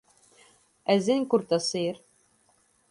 Es zinu, kur tas ir.